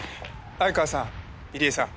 相川さん